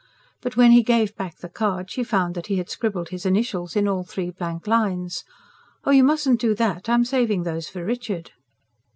But when he gave back the card she found that he had scribbled his initials in all three blank lines. "Oh, you mustn't do that. I'm saving those for Richard."